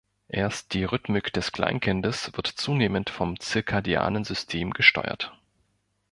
Erst die Rhythmik des Kleinkindes wird zunehmend vom circadianen System gesteuert.